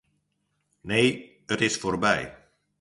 Nee, it is fuortby.